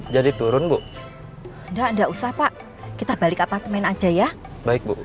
jadi turun bu enggak enggak usah pak kita balik apartemen aja ya baik bu